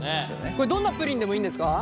これどんなプリンでもいいんですか？